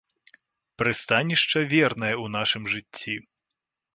Прыстанішча вернае ў нашым жыцці.